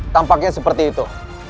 tampaknya seperti itu